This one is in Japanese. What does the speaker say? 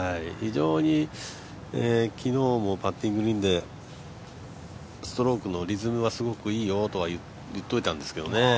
昨日もパッティングがいいんでストロークのリズムはすごくいいよとは言っておいたんですけどね。